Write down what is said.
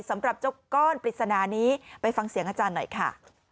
สำหรับเจ้าก้อนปริศนานี้ไปฟังเสียงอาจารย์หน่อยค่ะ